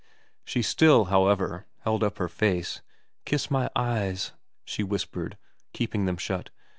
She still, however, held up her face. ' Kiss my eyes,' she whispered, keeping them shut.